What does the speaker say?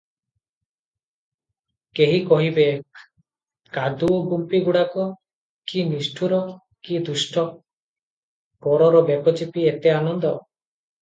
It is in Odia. କେହି କହିବେ, କାଦୁଅଗୁମ୍ଫିଗୁଡ଼ାକ କି ନିଷ୍ଠୁର, କି ଦୁଷ୍ଟ, ପରର ବେକ ଚିପି ଏତେ ଆନନ୍ଦ!